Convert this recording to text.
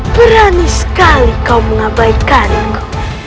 berani sekali kau mengabaikanku